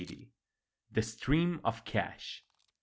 LXXX. THE STREAM OF CASH.